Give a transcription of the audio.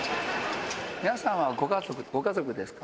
皆さんはご家族ですか？